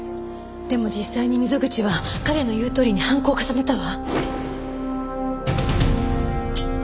でも実際に溝口は彼の言うとおりに犯行を重ねたわ。